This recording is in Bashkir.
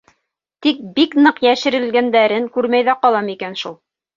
Тик бик ныҡ йәшерелгәндәрен күрмәй ҙә ҡалам икән шул.